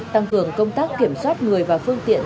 tăng cường công tác kiểm soát người và phương tiện